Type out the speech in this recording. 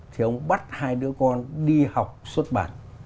thì ông bắt hai đứa con đi học xuất bản